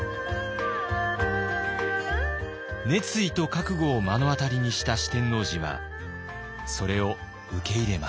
熱意と覚悟を目の当たりにした四天王寺はそれを受け入れます。